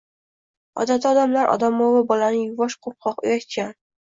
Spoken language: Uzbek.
Odatda odamlar odamovi bolani yuvosh, qo‘rqoq, uyatchan